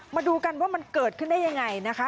มาดูกันว่ามันเกิดขึ้นได้ยังไงนะคะ